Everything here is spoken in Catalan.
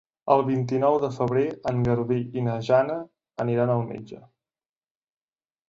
El vint-i-nou de febrer en Garbí i na Jana aniran al metge.